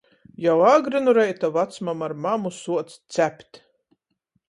Jau agri nu reita vacmama ar mamu suoc cept.